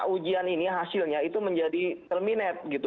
ujian ini hasilnya itu menjadi terminate